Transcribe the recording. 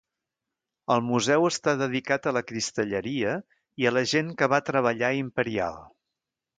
Els museu està dedicat a la cristalleria i a la gent que va treballar a Imperial.